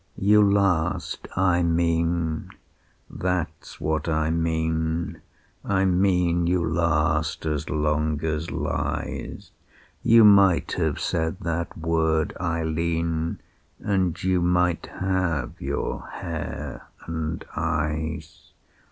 "You last, I mean. That's what I mean. I mean you last as long as lies. You might have said that word, Eileen, And you might have your hair and eyes.